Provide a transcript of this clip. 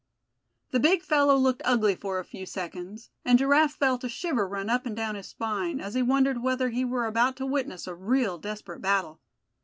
The big fellow looked ugly for a few seconds, and Giraffe felt a shiver run up and down his spine, as he wondered whether he were about to witness a real desperate battle.